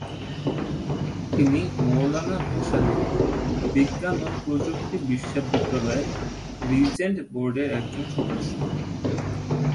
তিনি মাওলানা ভাসানী বিজ্ঞান ও প্রযুক্তি বিশ্ববিদ্যালয়ের রিজেন্ট বোর্ডের একজন সদস্য।